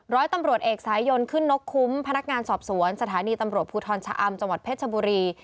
ร้อยตำรวจเอกสายยนขึ้นนกคุ้มพนักงานสอบสวนสถานีตำรวจภูทรชะอำจังหวัดเพชรชบุรี